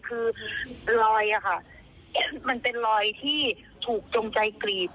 คือรอยอะค่ะมันเป็นรอยที่ถูกจงใจกรีด